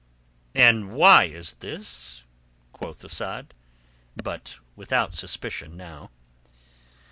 "And why is this?" quoth Asad, but without suspicion now.